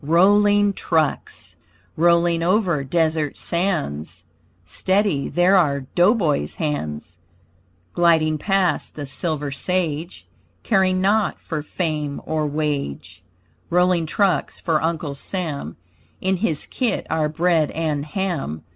ROLLING TRUCKS Rolling over desert sands Steady there are dough boy's hands. Gliding past the silver sage Caring naught for fame or wage; Rolling trucks for Uncle Sam, In his kit are bread and ham.